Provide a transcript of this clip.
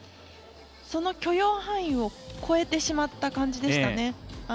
その許容範囲を超えてしまった感じでしたね。